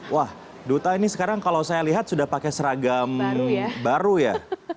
wah duta ini sekarang kalau saya lihat sudah pakai seragam baru ya